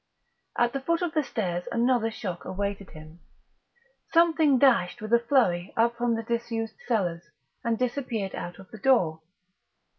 At the foot of the stairs another shock awaited him. Something dashed with a flurry up from the disused cellars and disappeared out of the door.